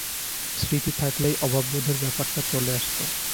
স্মৃতি থাকলেই অভাববোধের ব্যাপারটা চলে আসত।